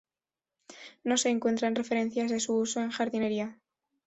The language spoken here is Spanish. No se encuentran referencias de su uso en jardinería.